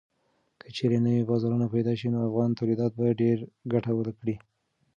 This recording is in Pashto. که چېرې نوي بازارونه پېدا شي نو افغان تولیدات به ډېره ګټه وکړي.